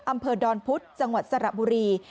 อำเภอดอนพุธจังหวัดสระบุรี